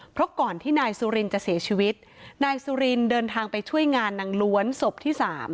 เพราะก่อนที่นายสุรินจะเสียชีวิตนายสุรินเดินทางไปช่วยงานนางล้วนศพที่๓